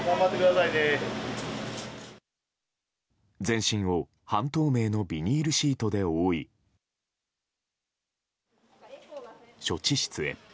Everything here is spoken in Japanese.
全身を半透明のビニールシートで覆い処置室へ。